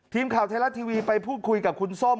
ทีมข่าวไทยรัฐทีวีไปพูดคุยกับคุณส้ม